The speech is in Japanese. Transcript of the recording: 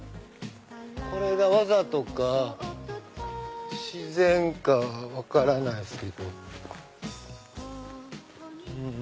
これがわざとか自然か分からないですけど。